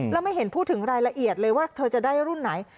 แล้วไม่เห็นพูดถึงรายละเอียดเลยว่าเธอจะได้รุ่นไหน